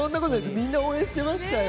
みんな応援してましたよ。